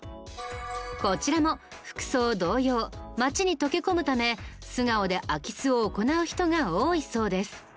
こちらも服装同様街に溶け込むため素顔で空き巣を行う人が多いそうです。